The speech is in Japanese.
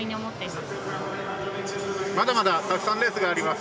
まだまだたくさんレースがあります。